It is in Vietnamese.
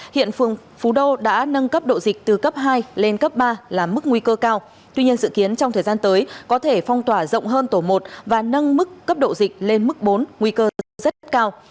hiện phường phú đô đã nâng cấp độ dịch từ cấp hai lên cấp ba là mức nguy cơ cao tuy nhiên dự kiến trong thời gian tới có thể phong tỏa rộng hơn tổ một và nâng mức cấp độ dịch lên mức bốn nguy cơ rất cao